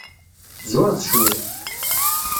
Tzureḍ cwiṭ.